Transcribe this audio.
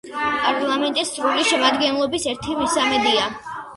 პარლამენტის სრული შემადგენლობის ერთი მესამედისა